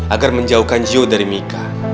agar menjauhkan jauh dari mika